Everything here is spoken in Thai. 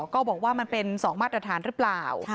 ก็บอกว่ามันเป็น๒มาตรฐานหรือเปล่า